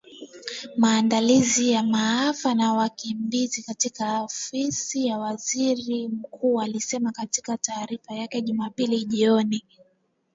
maandalizi ya maafa na wakimbizi katika Ofisi ya Waziri Mkuu ilisema katika taarifa yake Jumapili jioni